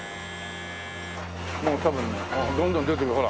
もう多分ねああどんどん出てくるほら。